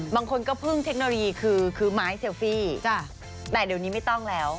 บางคนก็พึ่งเทคโนโลยีคือไม้เซลฟี่แต่เดี๋ยวนี้ไม่ต้องแล้ว